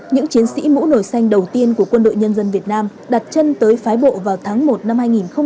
những chiến sĩ mũ nổi xanh đầu tiên của quân đội nhân dân việt nam đặt chân tới phái bộ vào tháng một năm hai nghìn một mươi chín